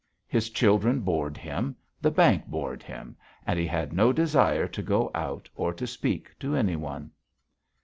His children bored him, the bank bored him, and he had no desire to go out or to speak to any one.